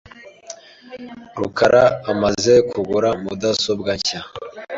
rukara amaze kugura mudasobwa nshya .